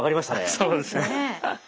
そうですね。